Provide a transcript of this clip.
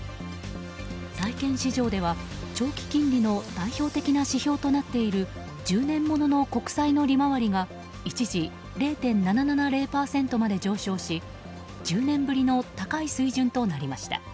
債券市場では長期金利の代表的な指標となっている１０年物の国債の利回りが一時、０．７７０％まで上昇し１０年ぶりの高い水準となりました。